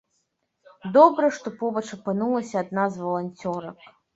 Добра, што побач апынулася адна з валанцёрак.